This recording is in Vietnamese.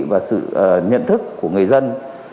và sự nhận thức của người dân